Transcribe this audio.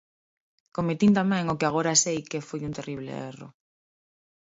Cometín tamén o que agora sei que foi un terrible erro.